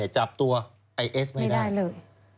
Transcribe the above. จับตัวไอ้เอสไม่ได้ไม่ได้เลย